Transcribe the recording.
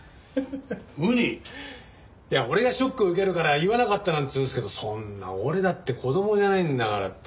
俺がショック受けるから言わなかったなんて言うんですけどそんな俺だって子供じゃないんだからって。